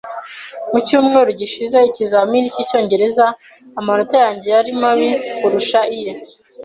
Mu cyumweru gishize ikizamini cyicyongereza, amanota yanjye yari mabi kurusha iye.)